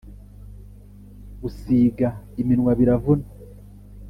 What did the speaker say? gusiga iminwa biravuna